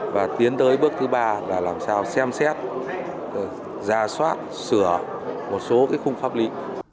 và tiến tới bước thứ ba là làm sao xem xét ra soát sửa một số cái khung pháp lý